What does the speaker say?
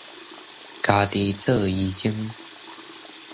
家己做醫生